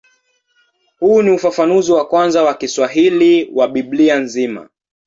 Huu ni ufafanuzi wa kwanza wa Kiswahili wa Biblia nzima.